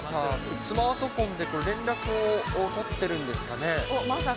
スマートフォンで連絡を取ってるんですかね。